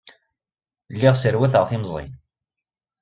Lliɣ sserwateɣ timẓin.